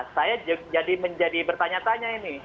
saya jadi menjadi bertanya tanya ini